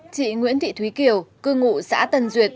chị nguyễn thị thúy kiều cư ngụ xã tân duyệt